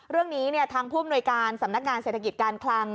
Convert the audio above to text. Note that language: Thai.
เรื่องนี้ทางผู้อำนวยการสำนักงานเศรษฐกิจการคลัง